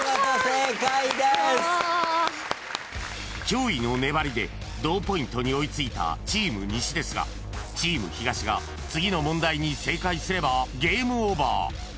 ［驚異の粘りで同ポイントに追いついたチーム西ですがチーム東が次の問題に正解すればゲームオーバー］